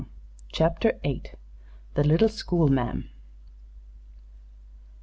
CHAPTER VIII. THE LITTLE SCHOOL MA'AM.